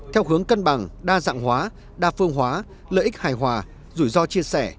theo hướng cân bằng đa dạng hóa đa phương hóa lợi ích hài hòa rủi ro chia sẻ